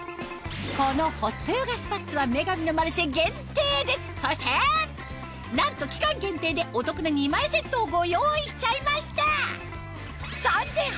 このホットヨガスパッツは『女神のマルシェ』限定ですそしてなんと期間限定でお得な２枚セットをご用意しちゃいましたいいじゃん！